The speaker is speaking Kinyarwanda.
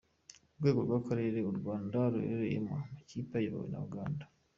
Ku rwego rw’Akarere, u Rwanda ruherereyemo, amakipe ayobowe na Uganda.